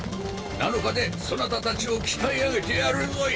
７日でそなたたちを鍛え上げてやるぞい！